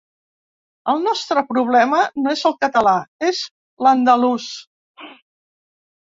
El nostre problema no és el català, és l’andalús.